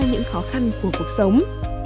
những khó khăn của cuộc sống